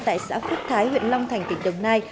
tại xã phước thái huyện long thành tỉnh đồng nai